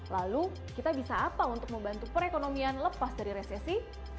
lalu kita bisa apa untuk membantu perekonomian lepas dari resesi